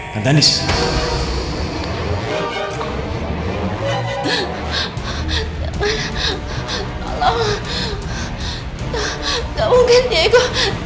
kamu sudah mati diego